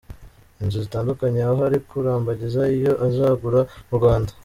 inzu zitandukanye aho ari kurambagiza iyo azagura mu Rwanda".